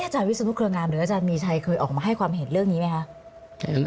วิศนุเครืองามหรืออาจารย์มีชัยเคยออกมาให้ความเห็นเรื่องนี้ไหมคะ